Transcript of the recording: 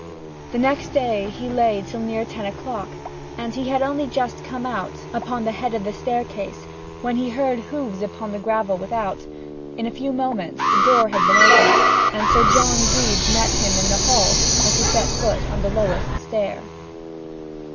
The next morning he lay till near ten o'clock, and he had only just come out upon the head of the staircase when he heard hoofs upon the gravel without; in a few moments the door had been opened, and Sir John Grebe met him in the hall, as he set foot on the lowest stair.